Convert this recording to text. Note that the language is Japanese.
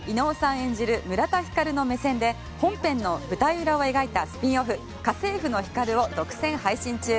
演じる村田光の目線で本編の舞台裏を描いたスピンオフ「家政負のヒカル」を独占配信中。